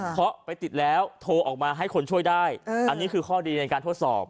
เพราะไปติดแล้วโทรออกมาให้คนช่วยได้อันนี้คือข้อดีในการทดสอบ